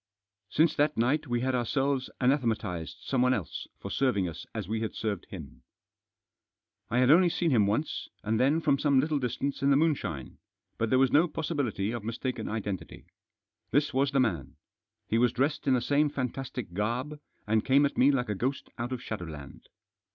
Since that night we had ourselves anathematised someone else for serving us as we had served him. I had only seen him once, and then from some little distance in the moonshine, but there was no possibility of mistaken identity. This was the man. He was dressed in the same fantastic garb, and came at me like a ghost out of shadowland.